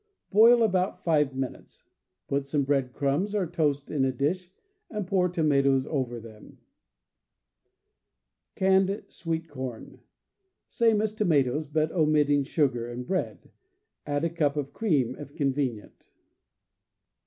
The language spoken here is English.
Boil about five minutes. Put some bread crumbs or toast in a dish, and pour toma toes over them. CAMP COOKERY 159 Canned Sweet Corn. — Same as tomatoes, but omitting sugar and bread. Add a cup of cream, if convenient.